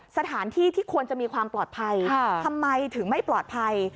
สถานที่ที่ควรจะมีความปลอดภัยทำไมถึงไม่ปลอดภัย